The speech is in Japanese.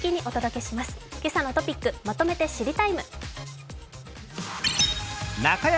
「けさのトピックまとめて知りＴＩＭＥ，」。